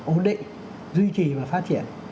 ổn định duy trì và phát triển